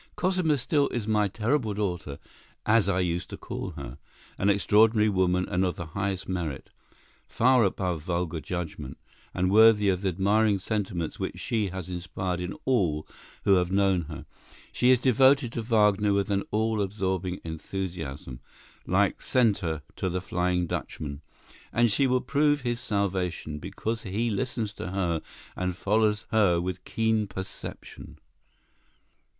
"Cosima still is my terrible daughter, as I used to call her,—an extraordinary woman and of the highest merit, far above vulgar judgment, and worthy of the admiring sentiments which she has inspired in all who have known her. She is devoted to Wagner with an all absorbing enthusiasm, like Senta to the Flying Dutchman—and she will prove his salvation, because he listens to her and follows her with keen perception."